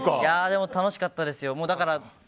でも楽しかったですよ。